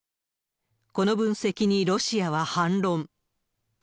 この分析に、ロシアは反論。